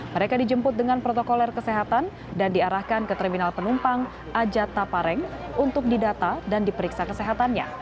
mereka dijemput dengan protokol kesehatan dan diarahkan ke terminal penumpang ajat tapareng untuk didata dan diperiksa kesehatannya